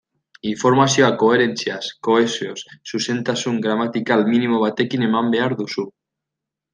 Informazioa koherentziaz, kohesioz, zuzentasun gramatikal minimo batekin eman behar duzu.